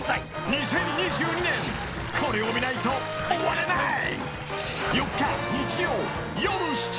［２０２２年これを見ないと終われない］